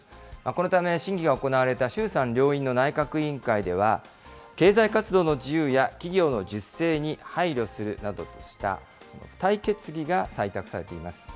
このため審議が行われた衆参両院の内閣委員会では、経済活動の自由や、企業の自主性に配慮するなどとした付帯決議が採択されています。